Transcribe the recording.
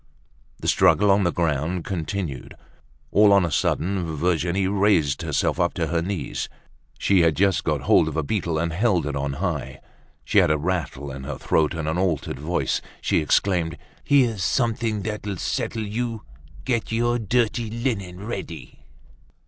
The struggle on the ground continued. All on a sudden, Virginie raised herself up on her knees. She had just gotten hold of a beetle and held it on high. She had a rattle in her throat and in an altered voice, she exclaimed, "Here's something that'll settle you! Get your dirty linen ready!"